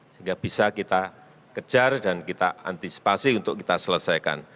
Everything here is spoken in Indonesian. sehingga bisa kita kejar dan kita antisipasi untuk kita selesaikan